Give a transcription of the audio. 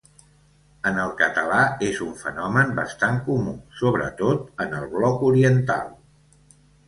En el català és un fenomen bastant comú, sobretot en el bloc oriental.